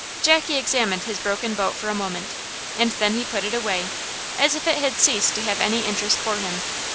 Jackie examined his broken boat for a moment, and then he put it away, as if it had ceased to have any interest for him.